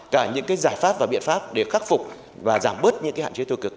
cả những cái giải pháp và biện pháp để khắc phục và giảm bớt những cái hạn chế thừa cực